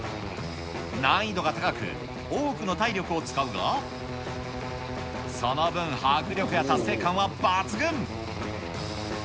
難易度が高く、多くの体力を使うが、その分、迫力や達成感は抜群。